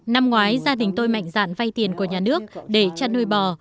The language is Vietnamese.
năm ngoái gia đình tôi mạnh dạn vay tiền của nhà nước để chăn nuôi bò